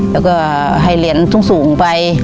แล้วก็ให้เหรียญสูงไป